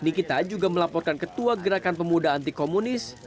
nikita juga melaporkan ketua gerakan pemuda antikomunis